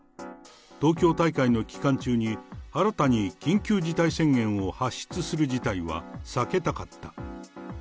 東京大会の期間中に、新たに緊急事態宣言を発出する事態は避けたかった。